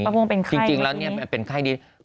พอปั๊ภวงเป็นไข้ที่นี้จริงแล้วเป็นไข้ที่นี้